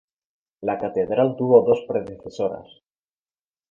La catedral tuvo dos predecesoras.